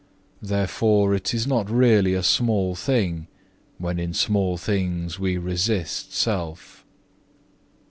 Therefore it is not really a small thing, when in small things we resist self."